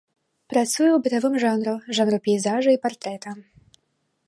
Працуе ў бытавым жанру, жанру пейзажа і партрэта.